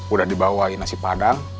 udah dibawain nasi padang